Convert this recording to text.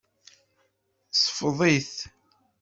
Ṣfeḍ-it.